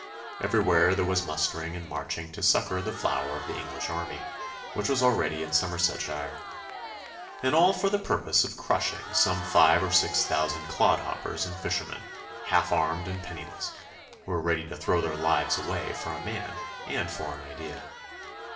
Everywhere there was mustering and marching to succour the flower of the English army, which was already in Somersetshire. And all for the purpose of crushing some five or six thousand clodhoppers and fishermen, half armed and penniless, who were ready to throw their lives away for a man and for an idea.